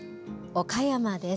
岡山です。